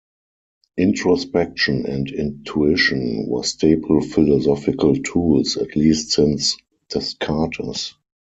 Introspection and intuition were staple philosophical tools at least since Descartes.